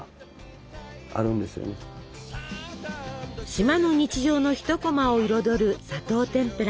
島の日常の一こまを彩る砂糖てんぷら。